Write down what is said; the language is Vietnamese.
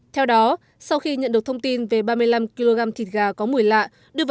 theo đó sau khi nhận được thông tin về ba mươi năm kg thịt gà có mùi lạ